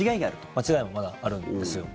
間違いもまだあるんですよ。